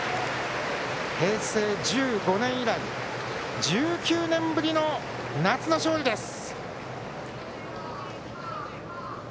平成１５年以来１９年ぶりの夏の勝利です。